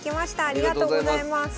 ありがとうございます。